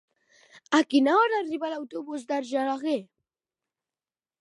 A quina hora arriba l'autobús d'Argelaguer?